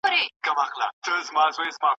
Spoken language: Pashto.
شپې په اور کي سبا کیږي ورځي سوځي په تبۍ کي